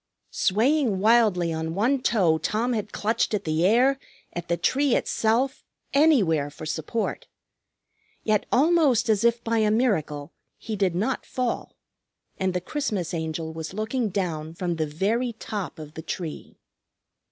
Swaying wildly on one toe Tom had clutched at the air, at the tree itself, anywhere for support. Yet, almost as if by a miracle, he did not fall. And the Christmas Angel was looking down from the very top of the tree.